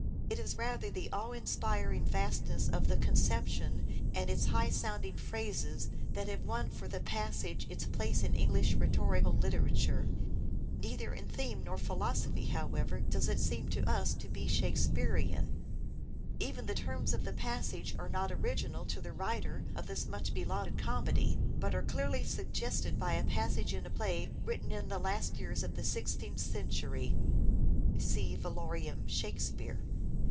It is rather the awe inspiring vastness of the conception and its high sound ing phrases that have won for the passage its place in English rhetorical literature. Neither in theme nor in philosophy, however, does it seem to us to be Shakespearean. Even the terms of the passage are not original to the writer of this much belauded comedy, but are clearly suggested by a passage in a play written in in the last years of the sixteenth century (see " Variorum Shakespeare